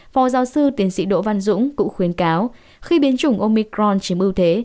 phó giáo sư tiến sĩ đỗ văn dũng cũng khuyến cáo khi biến chủng omicron chiếm ưu thế